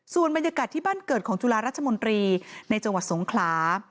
ส่วนบรรยากาศที่บ้านเกิดของจุฬาราชมนตรีในจังหวัดสงขลา